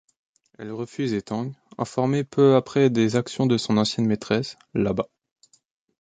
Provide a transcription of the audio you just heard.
Elle refuse et Tang, informé peu après des actions de son ancienne maîtresse, l'abat.